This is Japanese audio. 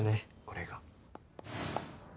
これが。